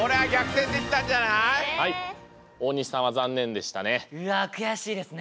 大西さんは残念でしたね。